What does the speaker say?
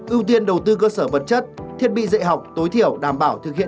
ưu tiên đầu tư cơ sở vật chất thiết bị dạy học tối thiểu đảm bảo thiết bị dạy học